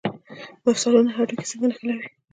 مفصلونه هډوکي څنګه نښلوي؟